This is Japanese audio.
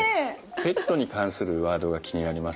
ペットに関するワードが気になりますね。